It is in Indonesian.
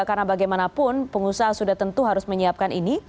karena bagaimanapun pengusaha sudah tentu harus menyiapkan ini